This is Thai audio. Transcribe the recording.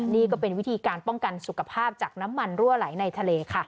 นี่ก็เป็นวิธีการป้องกันสุขภาพจากน้ำมันรั่วไหลในทะเลค่ะ